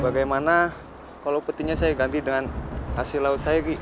bagaimana kalau suruhan imminenya saya calendut pada kelanjarannya saya ghi